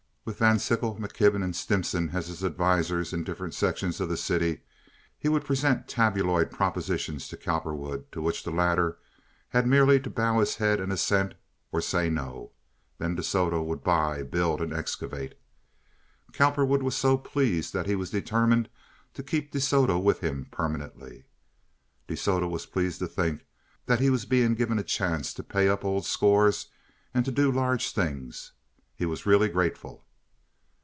With Van Sickle, McKibben, and Stimson as his advisers in different sections of the city he would present tabloid propositions to Cowperwood, to which the latter had merely to bow his head in assent or say no. Then De Soto would buy, build, and excavate. Cowperwood was so pleased that he was determined to keep De Soto with him permanently. De Soto was pleased to think that he was being given a chance to pay up old scores and to do large things; he was really grateful.